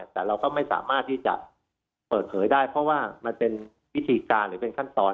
แต่เราก็ไม่สามารถที่จะเปิดเผยได้เพราะว่ามันเป็นวิธีการหรือเป็นขั้นตอน